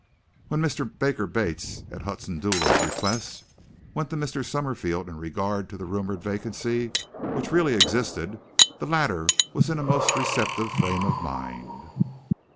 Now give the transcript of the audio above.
When Mr. Baker Bates at Hudson Dula's request went to Mr. Summerfield in regard to the rumored vacancy which really existed, the latter was in a most receptive frame of mind.